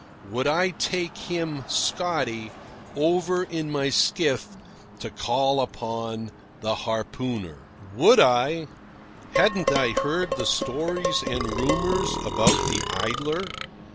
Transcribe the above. Would I take him, Scotty, over in my skiff to call upon the harpooner? Would I! Hadn't I heard the stories and rumours about the Idler?